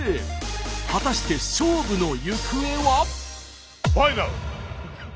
果たして勝負の行方は。